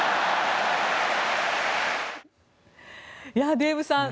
デーブさん